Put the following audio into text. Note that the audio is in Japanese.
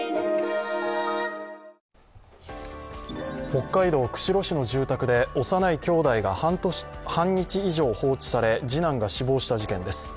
北海道釧路市の住宅で幼いきょうだいが半日以上放置され次男が死亡した事件です。